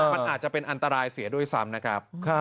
มันอาจจะเป็นอันตรายเสียด้วยซ้ำนะครับ